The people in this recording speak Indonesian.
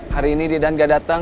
hari ini didan gak datang